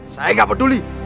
saya gak peduli